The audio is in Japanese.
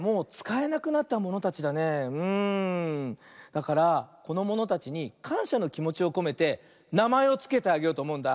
だからこのものたちにかんしゃのきもちをこめてなまえをつけてあげようとおもうんだ。